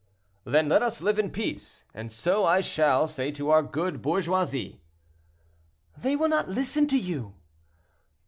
"Then let us live in peace, and so I shall say to our good bourgeoisie." "They will not listen to you."